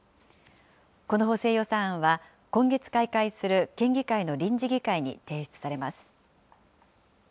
この補正予算案は、今月開会する県議会の臨時議会に提出されます。